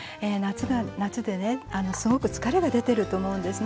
夏でねすごく疲れが出てると思うんですね。